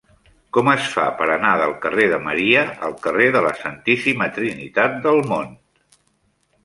Com es fa per anar del carrer de Maria al carrer de la Santíssima Trinitat del Mont?